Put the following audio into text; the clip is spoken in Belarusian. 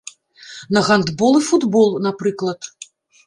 На гандбол і футбол, напрыклад.